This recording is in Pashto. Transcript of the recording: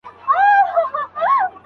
هغه د ورکړې پر وخت ناخوښي نه څرګندوله.